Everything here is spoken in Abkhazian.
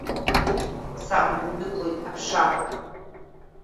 Саман идәықәлоит аԥша.